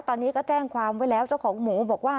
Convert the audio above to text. ตอนนี้ก็แจ้งความไว้แล้วเจ้าของหมูบอกว่า